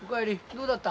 どうだった？